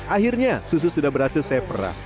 akhirnya susu sudah berhasil saya perah